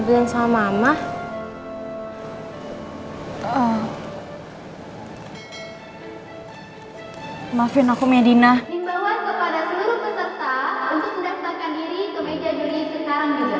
seluruh peserta untuk mendaftarkan diri ke beja juri sekarang juga